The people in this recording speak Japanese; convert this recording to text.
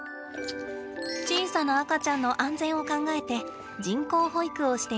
小さな赤ちゃんの安全を考えて人工哺育をしています。